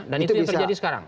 itu yang terjadi sekarang